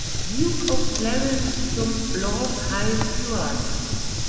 Duke of Clarence zum Lord High Steward.